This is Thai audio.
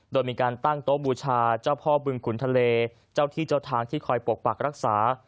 โดยมีการตั้งโต๊ะบูชาเจ้าพ่อบึงขุนทะเลเจ้าที่เจ้าทางที่คอยปกปักรักษา